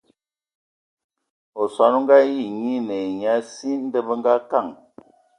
Osɔn o Ngaayi nyian ai nye a si. Ndɔ bə ngakaan.